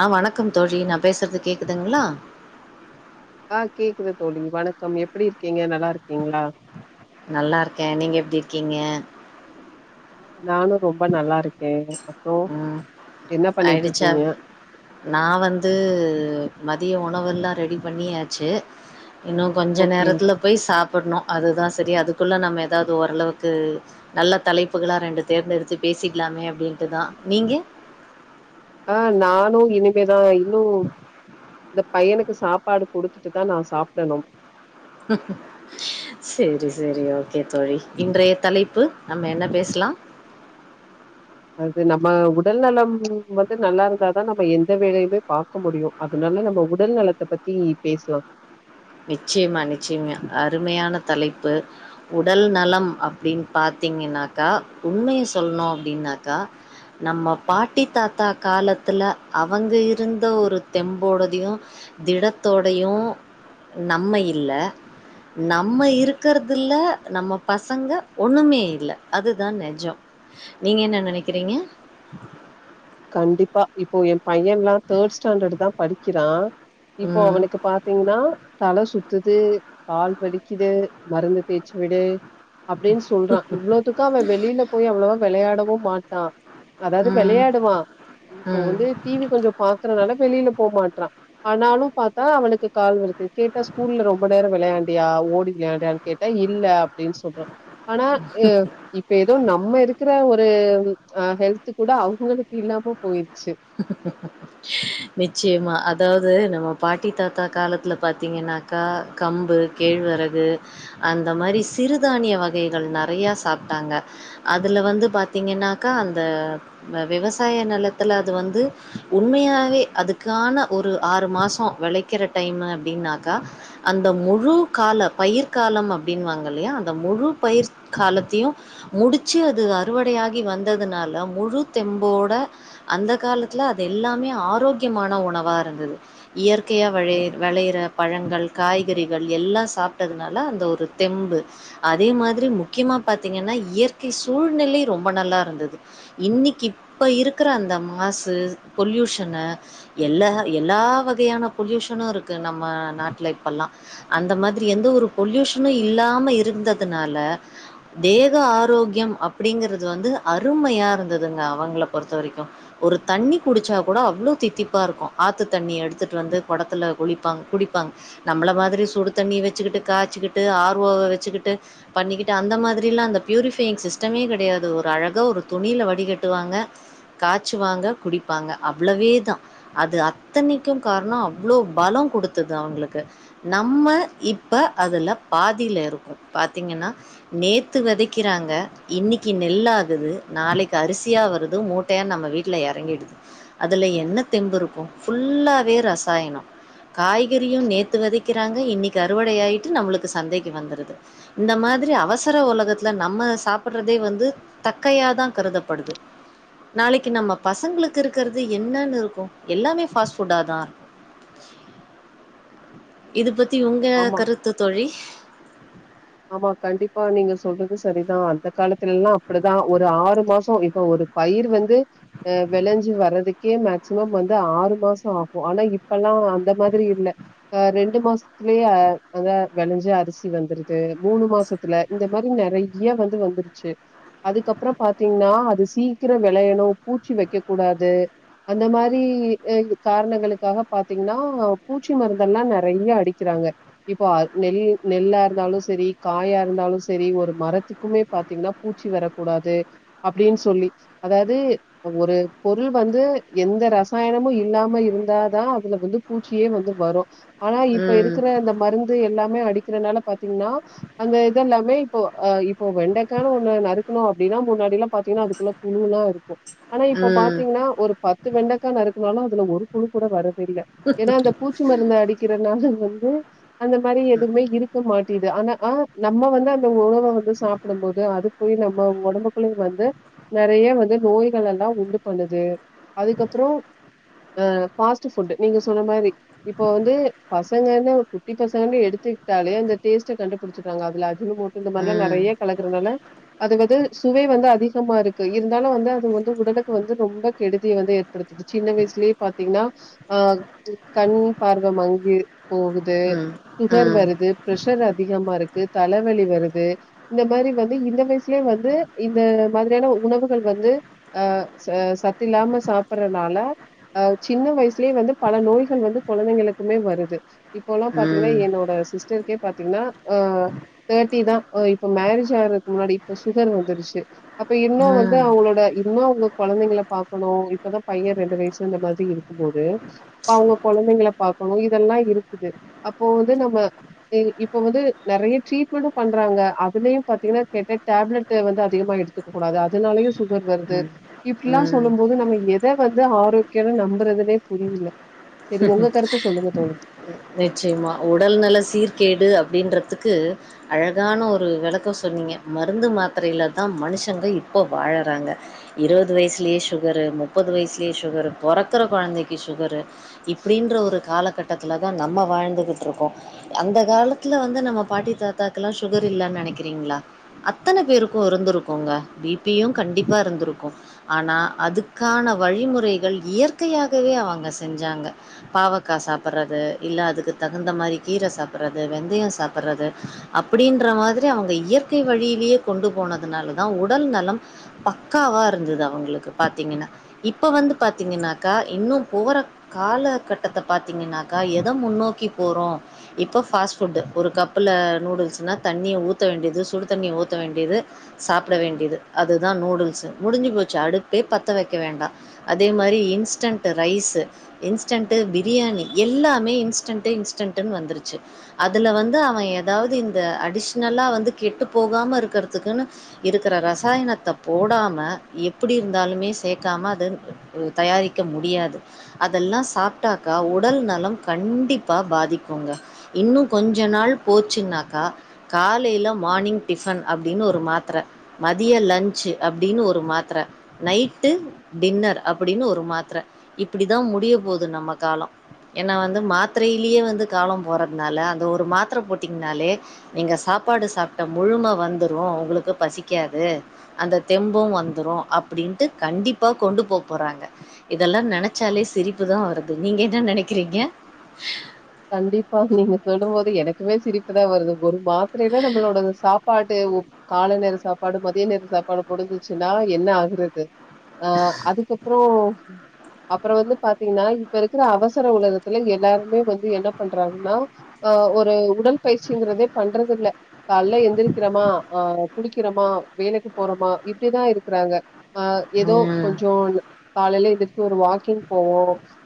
ஆ வணக்கம் தோழி நா பேசறது கேக்குதுங்களா ஆ கேக்குது தோழி வணக்கம் எப்டி இருக்கீங்க நல்லா இருக்கீங்களா நல்லா இருக்கே நீங்க எப்டி இருக்கீங்க நானு ரொம்ப நல்லா இருக்கே அப்றோ ம் என்ன பண்ணிட்டு ஆயிடுச்சா இருக்கீங்க நா வந்து மதிய உணவெல்லா ரெடி பண்ணியாச்சு இன்னு கொஞ்ச ஓகே நேரத்துல ஓகே போய் சாப்டணு அதுதா சரி அதுக்குள்ள நம்ம ஏதாவது ஓரளவுக்கு நல்ல தலைப்புகளா ரெண்டு தேர்ந்தெடுத்து பேசிக்கலாமே அப்டின்ட்டு தா நீங்க ஆ நானு இனிமேதா இன்னு இந்த பையனுக்கு சாப்பாடு குடுத்துட்டு தா நா சாப்டணு ம் சேரி சேரி ஓகே தோழி இன்றைய தலைப்பு நம்ம என்ன பேசலா அது நம்ம உடல் நலம் வந்து நல்லா இருந்தாதா நம்ம எந்த வேலையுமே பாக் பாக்க முடியு அதனால நம்ம உடல் நலத்த பத்தி பேசலா நிச்சியமா நிச்சியமா அருமையான தலைப்பு உடல் நலம் அப்பிடின்னு பார்தீங்கனாக்கா உண்மைய சொல்ணு அப்டின்னாக்கா நம்ம பாட்டி தாத்தா காலத்துல அவங்க இருந்த ஒரு தெம்போடதையு திடத்தோடையு நம்ம இல்ல நம்ம இருக்கறதுல நம்ம பசங்க ஒண்ணுமே இல்ல அதுதா நெஜோ நீங்க என்ன நெனக்கிறீங்க கண்டிப்பா இப்போ ஏ பையன்ல்லா தேர்ட் ஸ்டாண்டர்ட் தா படிக்கிறா இப்போ ம். அவனுக்கு பாத் தீங்கன்னா தல சுத்துது கால் வலிக்கிது மருந்து தேச்சி விடு அப்டின்னு சொல்றா இவ்வளவுத்துக்கு அவே வெளில போய் அவ்வளவா வெளையாடவு மாட்டா அதாவது ம். வெளையாடுவா இப்ப ம். வந்து டி வி கொஞ்சோ பாக்குறனால வெளில போ மாட்றா ஆனாலு பாத்தா அவனுக்கு கால் வலிக்குது கேட்டா ஸ்கூல்ல ரொம்ப நேரோ விளையாண்டியா ஓடி விளையாண்டியான்னு கேட்டா இல்ல அப்டின்னு சொல்றா ஆனா ஆ இப்ப ஏதோ நம்ம இருக்குற ஒரு ஆ ஹெல்த்து கூட அவங்களுக்கு இல்லாம போயிருச்சு நிச்சயமா அதாவது நம்ம பாட்டி தாத்தா காலத்துல பாத்தீங்கன்னா க கம்பு கேழ்வரகு அந்த மாதிரி சிறுதானிய வகைகள் நெறையா சாப்ட்டாங்க அதுல வந்து பாத்தீங்கன்னாக்கா அந்த வெவசாய நெலத்துல அது வந்து உண்மையாவே அதுக்கான ஒரு ஆறு மாசோ வெளைக்கிற டைம் அப்டின்னாக்கா அந்த முழுக்கால பயிர்க்காலம் அப்டின்னுவாங்க இல்லையா அந்த முழு பயிர் காலத்தயு முடிச்சி அது அறுவடையாகி வந்ததுனால முழு தெம்போட அந்த காலத்துல அது எல்லாமே ஆரோக்கியமான உணவா இருந்தது இயற்கையா விளைய வெளையிற பழங்கள் காய்கறிகள் எல்லா சாப்ட்டதுனால அந்த ஒரு தெம்பு அதே மாதிரி முக்கியமா பாத்தீங்கன்னா இயற்கை சூழ்நிலை ரொம்ப நல்லா இருந்தது இன்னக்கி இப்ப இருக்குற அந்த மாசு பொல்யூஷன் எல்ல எல்லா வகையான பொல்யூஷனு இருக்கு நம்ம நாட்ல இப்பல்லா அந்த மாதிரி எந்த ஒரு பொல்யூஷனு இல்லாம இருந்ததுனால தேக ஆரோக்கியம் அப்டிங்கிறது வந்து அருமையா இருந்ததுங்க அவங்களப் பொறுத்த வரைக்கு ஒரு தண்ணி குடிச்சா கூட அவ்ளோ தித்திப்பா இருக்கு ஆத்து தண்ணி எடுத்துட்டு வந்து கொடத்துல குளிப்பாங்க குடிப்பாங்க நம்மள மாதிரி சுடு தண்ணி வச்சிகிட்டு காச்சிகிட்டு ஆர் ஓ வ வச்சிகிட்டு பண்ணிக்கிட்டு அந்த மாதிரில்லா அந்த ப்யூரிஃபையிங் சிஸ்டமே கெடையாது ஒரு அழகா ஒரு துணில வடிகட்டுவாங்க ச்சுவாங்க குடிப்பாங்க அவ்வளவே தா அது அத்தனைக்கு காரணோ அவ்ளோ பலோ குடுத்தது அவங்களுக்கு நம்ம இப்ப அதுல பாதில இருக்கோ பாத்தீங்கன்னா நேத்து வெதைக்கிறாங்க இன்னைக்கி நெல் ஆகுது நாளைக்கி அரிசியா வருது மூட்டையா நம்ம வீட் ல எறங்கிடுது அதுல என்ன தெம்பு இருக்கு ஃபுல்லாவே ரசாயனோ காய்கறியு நேத்து வெதைக்கிறாங்க இன்னக்கி அறுவடையாயிட்டு நம்மளுக்கு சந்தைக்கு வந்துருது இந்த மாதிரி அவசர உலகத்துல நம்ம சாப்ட்றதே வந்து தக்கையாதா கருதப்படுது நாளைக்கி நம்ம பசங்களுக்கு இருக்குறது என்னன்னு இருக்கு எல்லாமே ஃபாஸ்ட் ஃபுட்டா தா இருக்கு இது பத்தி உங்க ஆமா கருத்து தோழி ஆமா கண்டிப்பா நீங்க சொல்றது சரிதா அந்த காலத்துலயெல்லா அப்டிதா ஒரு ஆறு மாசோ இப்ப ஒரு பயிர் வந்து ஆ வெளஞ்சி வர்றதுக் கே மேக்சிமம் வந்து ஆறு மாசோ ஆகு ஆனா இப்பெல்லா அந்த மாதிரி இல்ல ஆ ரெண்டு மாசத்துலயே அதா வெளஞ்சி அரிசி வந்துரு து மூணு மாசத்துல இந்த மாரி நெறையா வந்து வந்துருச்சு அதுக்கப்பறோ பாத்தீங்கன்னா அது சீக்கரோ வெளையணு பூச்சி வைக்க கூடாது அந்த மாரி காரணங்களுக்காக பாத்தீங்கன்னா பூச்சி மருந்தெல்லா நெறையா அடிக்கிறாங்க இப்போ நெல் நெல்லா இருந்தாலு செரி காயா இருந்தாலு செரி ஒரு மரத்துக்குமே பாத்தீங்கன்னா பூச்சி வரகூடாது அப்டின்னு சொல்லி அதாவது ஒரு பொருள் வந்து எந்த ரசாயனமு இல்லாம இருந்தாதா அதுல வந்து பூச்சியே வந்து வரு ஆனா இப்ப ம் இருக்கிற அந்த மருந்து எல்லாமே அடிக்கிறனால பாத்தீங்கன்னா அந்த இது எல்லாமே இப்போ இப்போ வெண்டைக்கானு ஒண்ணு நறுக்குனோ அப்டின்னா முன்னாடில்லா பாத்தீங்கன்னா அதுக்குள்ள புழுலா இருக்கு ஆனா இப்ப ம் பாத்தீங்கன்னா ஒரு பத் வெண்டக்கா நறுக்குனோனா அதுல ஒரு குழு கூட வரதில்ல ஏன்னா அந்த பூச்சி மருந்து அடிக் கிறநலா வந்து அந்த மாரி எதுமே இருக்க மாட்டிது ஆனா அ நம்ம வந்து அந்த உறவு வந்து சாப்பிடும் போது அது போய் நம்ம உடம்புக்குள்ளயு வந்து நெறைய வந்து நோய்கள் எல்லா உண்டு பண்ணுது அதுக்கப்பறோ அ ஃபாஸ்ட் ஃபுட் நீங்க சொன்ன மாரி இப்ப வந்து பசங்கன்னே குட்டி பசங்கன்னு எடுத்துக்கிட்டாலே அந்த டேஸ்ட்ட கண்டுபிடி புடிச்சிறாங்க அதுல அஜினோ மோட்டோ இந்த மாரில்லா ம் நெறைய கலக்குறனால அது வந்து சுவை வந்து அதிகமா இருக்கு இருந்தாலு வந்து அது வந்து உடலுக்கு வந்து ரொம்ப கெடுதி வந்து படுத்துது சின்ன வயசுலேயே பாத்தீங்கன்னா அ கண் பார்வ மங்கு போகுது ம் சுகர் ம் வருது ப்ஷர் அதிகமா இருக் தலவலி வருது இந்த மாரி வந்து இந்த வயசுலயே வந்து இந்த மாதிரியான உணவுகள் வந்து அ சத்து இல்லாம சாப்பறனால அ சின்ன வயசுலேயே வந்து பல நோய்கள் வந்து கொழந்தைகளுக்குமே வருது இப்போ எல்லா பாத்தீங்கன்னா ம் என்னோட சிஸ்டருக்கே பாத்தீங்கன்னா அ தேர்ட்டி தா இப்ப மேரேஜ் ஆகுறதுக்கு முன்னாடி இப்ப சுகர் வந்துருச்சு அப்ப இன்னு வந்து ம் அவங்களோட இன்னு அவங்க கொழந்தைங்கள பா க்கணு இப்பதா பைய ரெண்டு வயசு அந்த மாதிரி இருக்கு போது அவங்க கொழந்தைங்கள பா இதெல்லா இருக்குது அப்போ வந்து நம்ம இப்போ வந்து நெறைய ட்ரீட்மெண்டு பண்றாங்க அதுலயு பாத்தீங்கன்னா கேட்ட டேப்லெட் வந்து அதிகமா எடுத்துக்க கூடாது அதுனாலயு சுகர் வருது ம் இப்டில்லா சொல்லு ம் போது நம்ம எ எத வந்து ஆரோக்கியம்னு நம்புறதுனே புரியல செரி உங்க கருத்த சொல்லுங்க தோழி நிச்சயமா உடல் நல சீர்கேடு அப்டின்றதுக்கு அழகான ஒரு வெளக்கோ சொன்னீங்க மருந்து மாத்திரைல தா மனுஷங்க இப்போ வாழறாங்க இருவது வயசுலேயே சுகரு முப்பது வயசுலயே சுகர் பொறக்குற கொழந்தைக்கு சுகரு இப்டின்ற ஒரு காலகட்டத்தில தா நம்ம வாழ்ந்துட்டு இருக்கோ அந்த காலத்துல வந்து நம்ம பாட்டி தாத்தாக்கு எல்லா சுகர் இல்லன்னு நெனைக்கிறீங்களா அத்தன பேருக்கு இருந்திருக்குங்க பி பியு கண்டிப்பா இருந்திருக்கு ஆனா அதுக்கான வழிமுறைகள் இயற்கையாகவே அவங்க செஞ்சாங்க பாவக்கா சாப்டுறது இல்ல அதுக்கு தகுந்த மாரி கீர சாப்டுறது வெந்தயோ சாப்டுறது அப்டின்ற மாரி அவங்க இயற்கை வழியிலேயே கொண்டு போனதுனாலதா உடல் நலம் பக்காவா இருந்தது அவங்களுக்கு பாத்தீங்கன்னா இப்ப வந்து பாத்தீங்கன்னாக்கா இன்னு போற காலகட்டத்த பாத்திங்கனாக்கா எத முன்னோக்கி போறோ இப்போ ஃபாஸ்ட் ஃபுட்டு் ஒரு கப்புல நூடுல்ஸ்ன்னா தண்ணிய ஊத்த வேண்டியது சுடு தண்ணிய ஊத்த வேண்டியது சாப்பிட வேண்டியது அதுதா நூடுல்ஸ்ஸு முடிஞ்சு போச்சு அடுப்பே பத்த வைக்க வேண்டா அதே மாரி இன்ஸ்டன்ட் ரைஸு இன்ஸ்டன்டு பிரியாணி எல்லாமே இன்ஸ்டன்டு இன்ஸ்டன்டுனு வந்துருச்சு அதுல வந்து அவ ஏதாவது இந்த அடிஷ்னலா வந்து கெட்டு போகாம இருக்குறதுக்குன்னு இருக்குற ரசாயனத்த போடாம எப்டி இருந்தாலுமே சேக்காம அத ஓ தயாரிக்க முடியாது அதல்லா சாப்ட்டாக்கா உடல் நலம் கண்டிப்பா பாதிகுங்க இன்னு கொஞ்ச நாள் போச்சுனாக்கா காலைல மானிங் டிஃபன் அப்டின்னு ஒரு மாத்ர மதிய லன்ச்சு அப்டின்னு ஒரு மாத்ர நைட்டு டின்னர் அப்டின்னு ஒரு மாத்ர இப்டிதா முடிய போது நம்ம காலோ என்னா வந்து மாத்ரயிலயே வந்து காலோ போறதுனால அந்த ஒரு மாத்ர போட்டீங்கனாலே நீங்க சாப்பாடு சாப்ட்ட முழும வந்துரு உங்குளுக்கு பசிக்காது அந்த தெம்பு வந்துரு அப்டின்ட்டு கண்டிப்பா கொண்டு போ போறாங்க இதல்லா நன ச்சாலே சிரிப்புதா வருது நீங்க என்ன நெனைக்கிறீங்க கண்டிப்பா நீங்க சொலும்போது எனக்குமே சிரிப்பு தா வருது ஒரு மாத்ரைல நம்பளோடது சாப்பாடு ஒ காலை நேர சாப்பாடு மதிய நேர சாப்பாடு முடிஞ்சுச்சுனா என்ன ஆகுறது அ அதுகப்றோ அப்பற வந்து பாத்தீங்னா இப்ப இருக்குற அவசர உலகத்துல எல்லாருமே வந் து என்ன பண்றாங்னா அ ஒரு உடல் பயிற்சிங்றதே பண்றதுல்ல கால்ல எந்திரக்றமா அ குடிக்குறமா வேலைக்கு போறமா இப்டிதா இருக்றாங்க அ எதோ ம். கொஞ்சோ ந காலையில எந்திரிச்சு ஒரு வாக்கிங் போவோ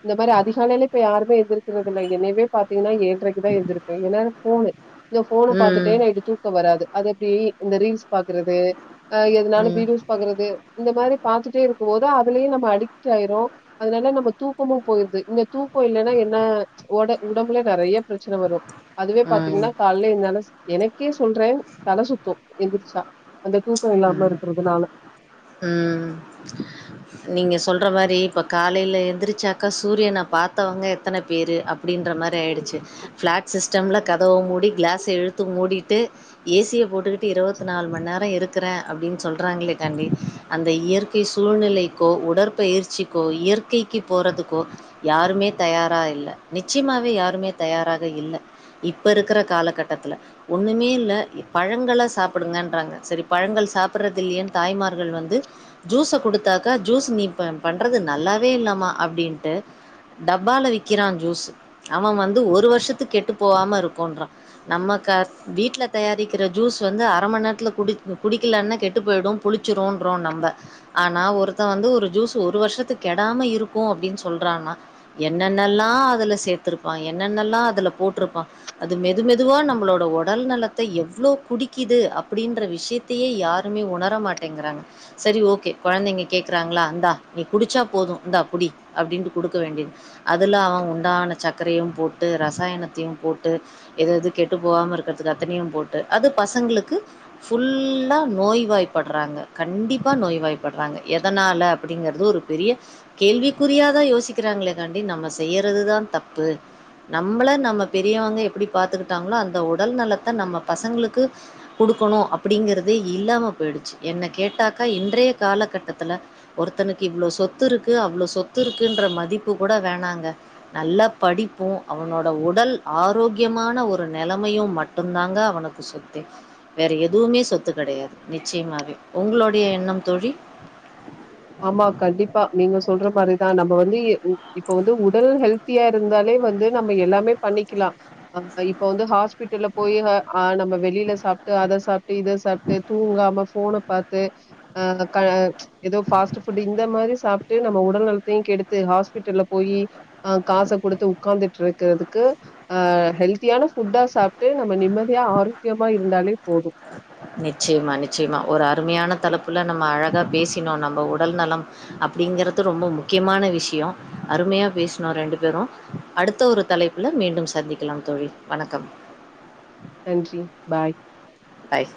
இந்த மாரி அதிகாலைல ப்ப யாருமே எந்திரிகிறது இல்ல இனிமேல் இதே பாத்தீங்னா ஏல்ரைக்கு தா எந்திருப்பே ஏனா ஃபோனு ந்த ஃபோன பாத்துட்டே ம். நைட்டு தூக்க வராது அது எப்டி இந்த ரீல்ஸ் பாக்குறது அ எதுனானு ம். வீடியோஸ் பாக்குறது இந்த மாரி பாத்துட்டே இருக்குமோது அதுலே நம்ம அடிக்ட் ஆயிரு அதுனால நம்ம தூக்கமு போயிற்து இந்த தூக்கோ இல்லனா என்ன ஒட உடம்புல நறைய ப்ரச்சன வரு அதுவே ம். பாத்தீங்னா கால்ல என்னால எனக்கே சொல்றே தல சுத்து எந்திரிச்சா அந்த தூக்கோ இல்லாம இருக்குறதுனால அ நீங்க சொல்ற மாரி ப்ப காலைல எந்திரிச்சாக்கா சூரியன பா்த்தவங்க எத்தன பேரு அப் ப்டின்ற மாரி அய்டுச்சு பிளாட் சிஸ்டம்ல கதவ மூடி க்ளாஸ்அ இழுத்து மூடிட்டு ஏசிய போட்டுட் டு இருவத்நாலு மண்நெரோ இரு குற அப்டின் சொல்றாங்ளே காண்டி அந்த இயற்கை சூழ்நிலைகோ உடற்பயிற்சி கோ இயற்கைக்கு போறதுக்கோ யாருமே தயாரா இல்ல நிச்யமாவே யாருமே தயாராக இல்ல இப்ப இருக்குற காலகட்டத்துல ஒன்னுமே ல்ல பழங்கள சாப்புடுங்கன்றாங்க சரி பழங்கள் சாப்பட்றதுல்லியேன் தாய்மார்கள் வந்து ஜூஸ குடுத்தாக்கா ஜூஸ் நீ ப பண்றது நல்லாவே இல்லமா அப்டின்ட்டு டப்பால விக்குறா ஜூஸூ அவ வந்து ஒரு வருஷத்துக்கு கெட்டு போவாம இருக்குன்றா நம்மக்க வீட்ல தயாரிக்ற ஜூஸ் வந்து அர மண்நேரத்துல குடி குடிக்கலன்னா கெட்டு பொய்டு புளிச்சுருன்றோ நம்ப ஆனா ஒருத்த வந்து ஒரு ஜூஸ் ஒரு வருஷத்துக் கெடாம இருக்கு அப்டின் சொல்றானா என்னன்னல்லா அதுல சேத்துருப்பா என்னன்னல்லா அதுல போட்ருப்பா அது மெது மெதுவா நம்மளோட ஒடல் நலத்த எவ்ளோ குடிக்குது அப்டின்ற வி ஷ்யத்தையே யாருமே உணர மாட்டேங்குறாங்க சரி ஓகே கொழந்தைங்க கேக்குறாங்ளா இந்தா நீ குடிச்சா போது இந்தா புடி அப்டின்ட்டு குடுக்க வேண்டியது அதுல அவ உண்டான சக்கரையு போட்டு ரசாயனத்தையு போட்டு எது எது கெட்டு போவாம இருக்குறதுக்கு அத்தனையு போட்டு அது பசங்களுக்கு ஃபுல்லா நோய்வாய்ப்படுறாங்க கண்டிப்பா நோய்வாய்ப்பட்றாங்க எதனால அப்டிங்கறது ஒரு பெரிய கேள்விக்குறியாதா யோசிக்கிறாங்களே காண்டி நம்ம செய்யறதுதா தப்பு நம்பள நம்ம பெரியவங்க எப்படி பாத்துக்கிட்டாங்களோ அந்த உடல் நலத்த நம்ம பசங்குளுக்கு இருக்கணு அப்படிங்கறதே இல்லாம போயிடுச்சு என்ன கேட்டாக்கா இன்றைய காலகட்டத்துல ஒருத்தனுகு இவ்வளோ சொத்து இருக்கு அவ்ளோ சொத்து இருக்குன்ற மதிப்பு கூட வேணாங்க நல்ல படிப்பு அவனோட உடல் ஆரோக்கியமான ஒரு நெலைமையு மட்டு தாங்க அவனுக்கு சொத்தே வேற எதுமே சொத்து கிடையாது நிச்சிமாவே உங்களோடைய எண்ணம் தோழி ஆமா கண்டிப்பா நீங்க சொல்ற மாரிதா நம்ம வந்து இப்ப வந்து உடல் ஹெல் பிஃயா இருந்தாலே வந்து நம்ம எல்லாமே பண்ணிக்கிலா அஹ் இப்ப வந்து ஹாஸ்பிட்டல்ல போய்ஹ் நம்ம வெளில சாப்ட்டு அத சாப் இத சாப்பிட்டு தூங்காம ஃபோன பாத்து அஹ் எதோ ஃபாஸ்ட் ஃபுட் இந்த மாரி சாப்பிட்டு நம்ம உடல் நலத்தையு கெடுத்து ஹாஸ்பிட்டல்ல போயி அ காச குடுத்து உங்காந்துட்டு இருக்குறதுக்கு ஆ ஹெல்த்தியான ஃபுட்டா சாப்ட்டு நம்ம நிம்மதியா ஆரோக்கியமா இருந்தாலே போது நிச்சியமா நிச்சியமா ஒரு அருமையான தலைப்புல நம்ம அழகா பேசினோ நம்ம உடல் நலம் அப்படிங்கறது ரொம்ப முக்கியமான விஷ்யோ அருமையா பேஸ்னோ ரெண்டு பேரு அடுத்த ஒரு தலைப்புல மீண்டும் சந்திக்கலாம் தோழி வணக்கம் நன்றி பாய் பாய்